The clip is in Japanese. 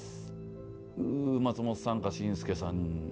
ん松本さんか紳助さん